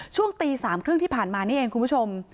ช่วงตี๓๓๐ที่ผ่านมานี่เองคุณผู้ชม